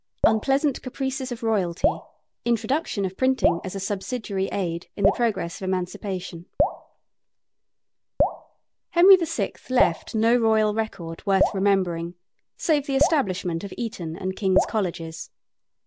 UNPLEASANT CAPRICES OF ROYALTY: INTRODUCTION OF PRINTING AS A SUBSIDIARY AID IN THE PROGRESS OF EMANCIPATION. Henry VI. left no royal record worth remembering save the establishment of Eton and King's Colleges.